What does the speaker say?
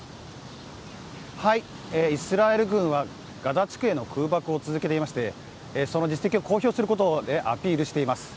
イスラエル軍はガザ地区への空爆を続けていましてその実績を公表することでアピールしています。